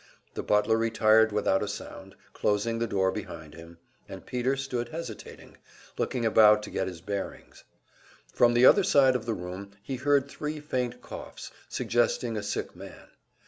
The butler retired without a sound, closing the door behind him and Peter stood hesitating, looking about to get his bearings. From the other side of the room he heard three faint coughs, suggesting a sick man.